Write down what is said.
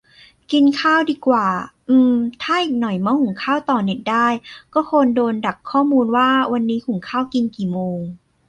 กินข้าวดีกว่า อืมม ถ้าอีกหน่อยหม้อหุงข้าวต่อเน็ตได้ก็คงโดนดักข้อมูลว่า วันนี้หุงข้าวกินกี่โมง